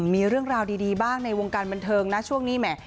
มีเรื่องราวดีบ้างในวงการบันเทิงนะช่วงนี้แหม